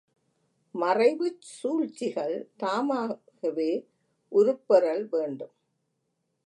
மறைவுச் சூழ்ச்சிகள், தாமாகவே உருப்பெறல் வேண்டும்.